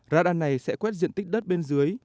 radar này sẽ quét diện tích đất bên dưới